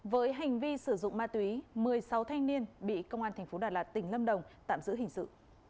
với hành vi sử dụng ma túy một mươi sáu thanh niên bị công an tp đà lạt tỉnh lâm đồng tạm giữ hình sự